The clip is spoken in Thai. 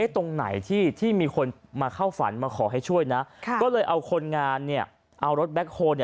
ตรงไหนที่มีคนมาเข้าฝันมาขอให้ช่วยนะก็เลยเอาคนงานเอารถแบ็คโฮล